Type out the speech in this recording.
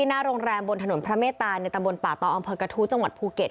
หน้าโรงแรมบนถนนพระเมตตาในตำบลป่าตออำเภอกระทู้จังหวัดภูเก็ต